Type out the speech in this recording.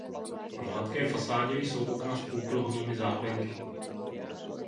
V hladké fasádě jsou okna s půlkruhovými záklenky.